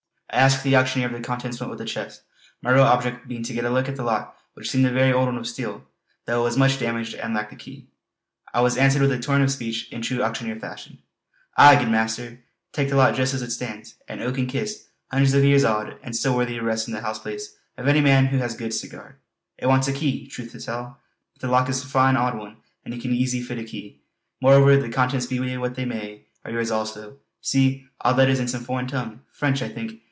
I asked the auctioneer if the contents went with the chest, my real object being to get a look at the lock which seemed a very old one of steel, though it was much damaged and lacked a key. I was answered with a torrent of speech in true auctioneer fashion: "Aye, good master. Take the lot just as it stands. An oaken kist, hundreds of years aud and still worthy a rest in the house place of any man who has goods to guard. It wants a key, truth to tell; but the lock is a fine aud one and you can easy fit a key. Moreover the contents, be they what they may, are yours also. See! aud letters in some foreign tongue French I think.